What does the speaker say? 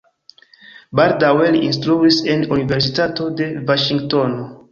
Baldaŭe li instruis en universitato de Vaŝingtono.